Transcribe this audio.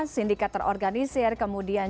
sindikat terorganisir kemudian